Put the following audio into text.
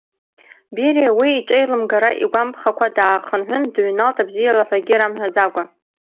Бериа, уи иҿеилымгара игәамԥхакәа даахынҳәын, дыҩналт абзиала ҳәагьы рамҳәаӡакәа.